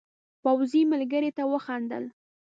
پوځي ملګرو ته وخندل.